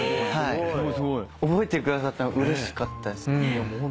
覚えてくださったのがうれしかったです。